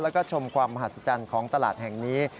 แล้วก็ชมความมหัศจรรย์ของตลาดแห่งนี้